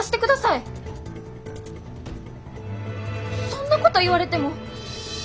そんなこと言われても。